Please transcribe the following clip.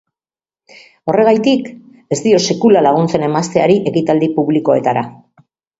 Horregatik, ez dio sekula laguntzen emazteari ekitaldi publikoetara.